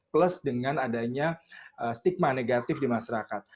plus dengan adanya stigma negatif di masyarakat